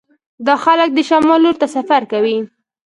دا خلک د شمال لور ته سفر کوي